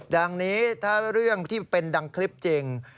ดังนี้ถ้าเรื่องที่เป็นดังคลิปจริง